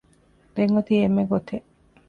ދެން އޮތީ އެންމެ ގޮތެއް